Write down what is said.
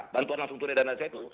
bantuan langsung tunai dana itu